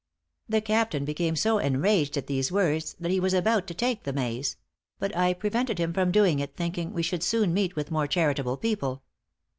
The captain became so enraged at these words, that he was about to take the maize; but I prevented him from doing it, thinking we should soon meet with more charitable people.